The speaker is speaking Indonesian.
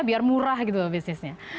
biar murah gitu bisnisnya